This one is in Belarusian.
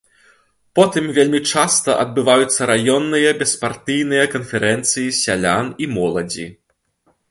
Потым вельмі часта адбываюцца раённыя беспартыйныя канферэнцыі сялян і моладзі.